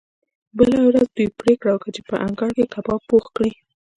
بله ورځ دوی پریکړه وکړه چې په انګړ کې کباب پخ کړي